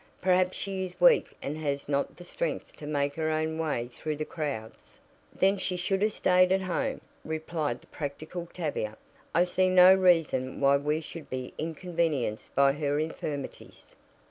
Perhaps she is weak and has not the strength to make her own way through the crowds." "Then she should have stayed at home," replied the practical Tavia. "I see no reason why we should be inconvenienced by her infirmities."